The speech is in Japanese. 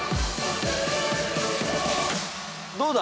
どうだ？